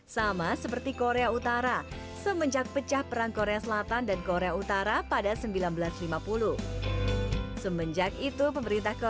semenjak itu pemerintah korea selatan mengurencelawan apa ini sunshine month